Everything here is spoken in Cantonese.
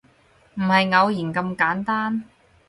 唔係偶然咁簡單